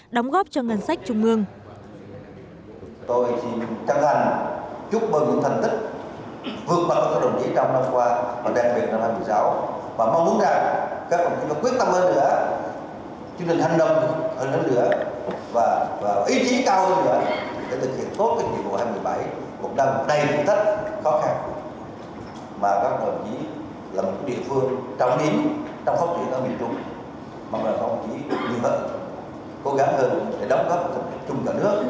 đóng góp cho ngân sách trung ương